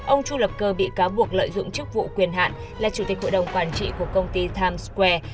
ông chu lập cơ bị cáo buộc lợi dụng chức vụ quyền hạn là chủ tịch hội đồng quản trị của công ty times square